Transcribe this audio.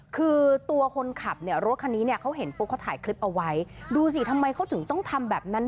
เขาเห็นปุ๊บเขาถ่ายคลิปเอาไว้ดูสิทำไมเขาถึงต้องทำแบบนั้น